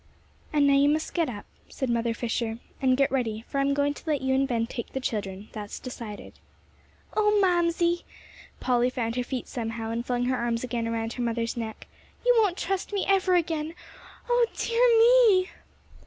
"And now you must get up," said Mother Fisher, "and get ready, for I am going to let you and Ben take the children; that's decided." "Oh, Mamsie!" Polly found her feet somehow, and flung her arms again around her mother's neck; "you won't trust me ever again. O dear me!"